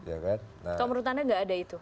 atau menurut anda enggak ada itu